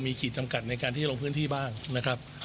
มีขีดจำกัดในการที่จะลงพื้นที่บ้างนะครับ